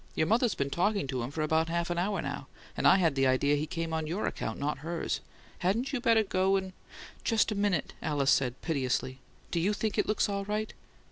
Your mother's been talking to him about half an hour now, and I had the idea he came on your account, not hers. Hadn't you better go and " "Just a minute." Alice said, piteously. "Do YOU think it looks all right?"